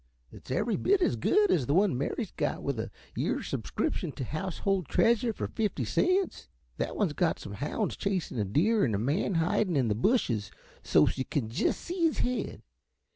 "It's every bit as good 's the one Mary got with a year's subscription t' the Household Treasure fer fifty cents. That one's got some hounds chasin' a deer and a man hidin' in 'the bushes, sost yuh kin jest see his head.